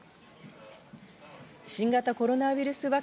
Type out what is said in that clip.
新型コロナウイルス